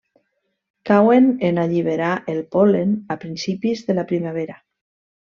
Cauen en alliberar el pol·len a principis de la primavera.